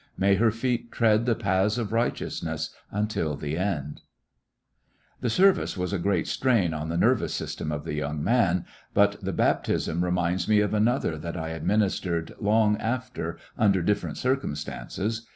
May her feet tread the paths of righteousness until the end ! Baptizing the This service was a great strain on the ner ^^ vous system of the young man, but the baptism 24 '^yiisslonary in tge Great West reminds me of another that I administered long after under different circumstances.